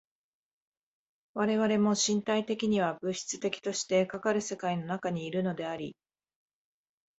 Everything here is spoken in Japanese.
我々も身体的には物質的としてかかる世界の中にいるのであり、